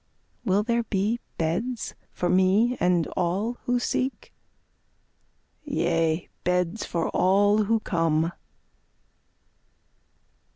Will there be beds for me and all who seek? Yea, beds for all who come.